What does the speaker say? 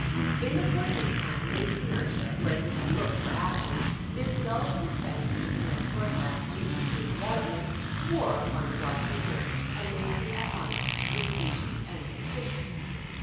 In the course of time this inertia, where he had looked for action, this dull suspense when he had forecast interesting developments, wore upon the watcher's nerves and made him at once impatient and suspicious.